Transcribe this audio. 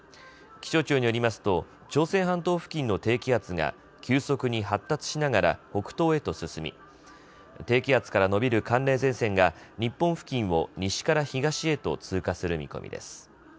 気象庁によりますと朝鮮半島付近の低気圧が急速に発達しながら北東へと進み低気圧から延びる寒冷前線が日本付近を西から東へと通過する見込みです。